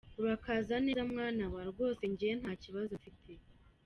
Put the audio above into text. Urakaza neza mwana wa ! Rwose njye nta kibazo mfite.